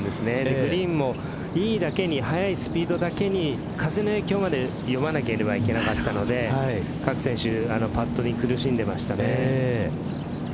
グリーンもいいだけに速いスピードだけに風の影響まで読まなければいけなかったので各選手パットに苦しんでましたね。